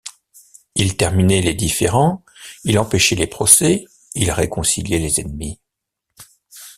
Il terminait les différends, il empêchait les procès, il réconciliait les ennemis.